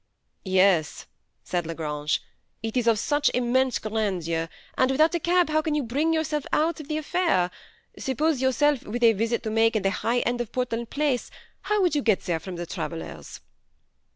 Yes," said La Grange, '* it is of such immense grandeur ; and without a cab, how can you bring your self out of the affidr ? Suppose yourself with a visit to make in the high end of Portland Place, how would you get there from the Travellers'